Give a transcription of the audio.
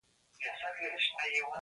د کړنلاري پر بنسټ د بریالیتوب لپاره